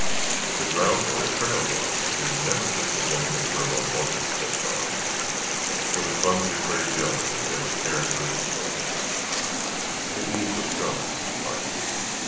"The ground where a trail was is never just the same as where one wasn't," said Tom, with a clumsy phraseology that was characteristic of him. "It leaves a scar—like.